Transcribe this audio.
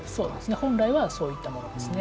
本来はそういったものです。